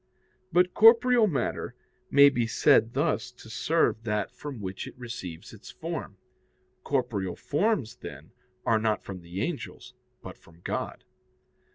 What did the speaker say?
But corporeal matter may be said thus to serve that from which it receives its form. Corporeal forms, then, are not from the angels, but from God.